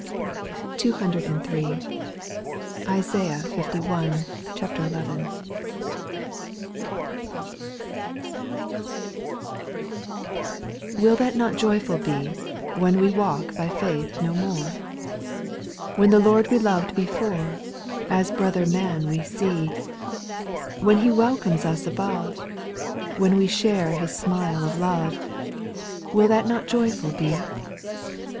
203. Isaiah li. 11. 1. T17ILL that not joyful be, T f When we walk by faith no more ? When the Lord we loved before, As brother man we see. When He welcomes us above, When we share His smile of love, Will that not joyful be